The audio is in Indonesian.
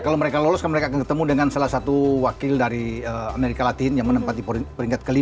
kalau mereka lolos mereka akan ketemu dengan salah satu wakil dari amerika latin yang menempati peringkat ke lima